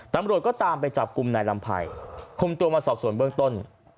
ตำรวจก็ตามไปจับกลุ่มนายลำไพรคุมตัวมาสอบส่วนเบื้องต้น